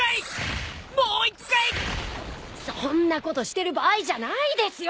そんなことしてる場合じゃないですよ